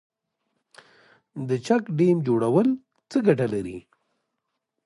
د چک ډیم جوړول څه ګټه لري؟